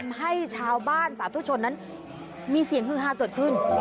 ทำให้ชาวบ้านสาปโทษชนนั้นมีเสียงคือ๕ตัวขึ้น